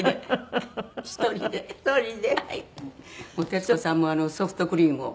徹子さんもソフトクリームを。